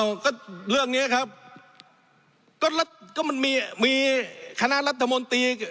เอ้าก็เรื่องเนี้ยครับก็ก็มันมีมีคนะรัฐธมนตี